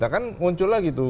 nah kan muncul lagi itu